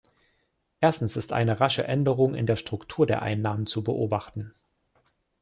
Erstens ist eine rasche Änderung in der Struktur der Einnahmen zu beobachten.